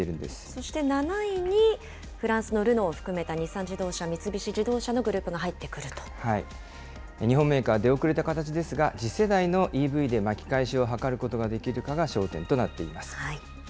そして、７位にフランスのルノーを含めた日産自動車・三菱自日本メーカー、出遅れた形ですが、次世代のＥＶで巻き返しを図ることができるかが焦点となっています。